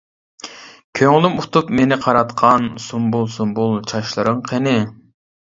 كۆڭلۈم ئۇتۇپ مېنى قاراتقان، سۇمبۇل-سۇمبۇل چاچلىرىڭ قېنى.